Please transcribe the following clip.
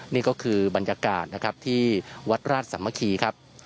นี่ก็คือบรรยากาศนะครับที่วัดราชสามัคคีครับ